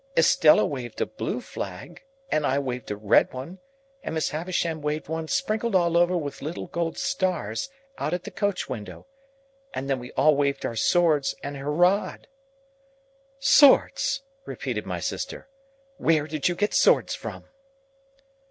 "Estella waved a blue flag, and I waved a red one, and Miss Havisham waved one sprinkled all over with little gold stars, out at the coach window. And then we all waved our swords and hurrahed." "Swords!" repeated my sister. "Where did you get swords from?"